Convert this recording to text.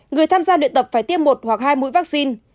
người tham gia luyện tập phải tiêm một hoặc hai mũi vaccine